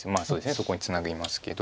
そこにツナぎますけど。